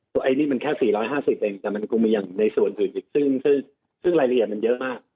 ไอ้นี่มันแค่๔๕๐เองแต่มันคงมีอย่างในส่วนอื่นอีกซึ่งรายละเอียดมันเยอะมาก